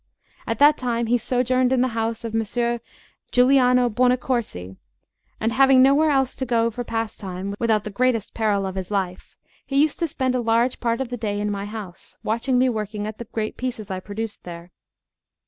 At that time he sojourned in the house of Messer Giuliano Buonaccorsi, and having nowhere else to go for pastime without the greatest peril of his life, he used to spend a large part of the day in my house, watching me working at the great pieces I produced there.